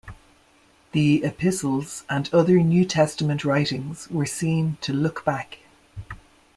The epistles and other New Testament writings were seen to look back.